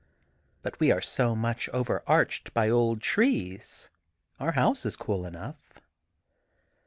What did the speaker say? But we are so much over arched by old trees, our house is cool enough.